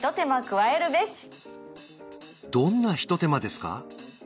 どんなひと手間ですか？